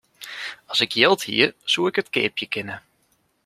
As ik jild hie, soe ik it keapje kinne.